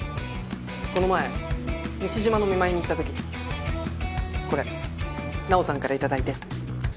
この前西島の見舞いに行った時これナオさんから頂いて。